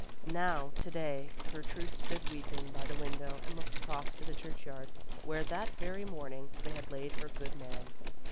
Now, to day, Gertrude stood weeping by the window and looked across to the church yard, where that very morning they had laid her good man.